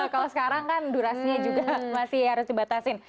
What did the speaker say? kalau sekarang kan durasinya juga masih harus dibatasin